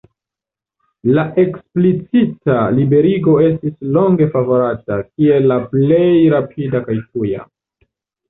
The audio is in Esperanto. La eksplicita liberigo estis longe favorata, kiel la plej rapida kaj tuja.